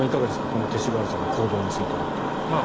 この勅使河原さんの行動については。